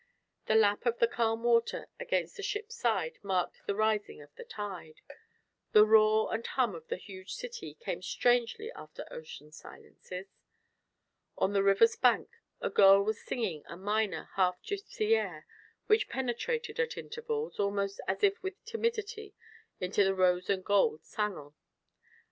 The lap of the calm water against the ship's side marked the rising of the tide; the roar and hum of the huge city came strangely after ocean silences. On the river's bank a girl was singing a minor, half Gipsy air which penetrated at intervals, almost as if with timidity, into the rose and gold salon.